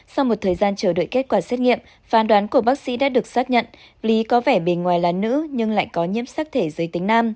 sau một thời gian chờ đợi kết quả xét nghiệm phán đoán của bác sĩ đã được xác nhận lý có vẻ bề ngoài là nữ nhưng lại có nhiễm sắc thể giới tính nam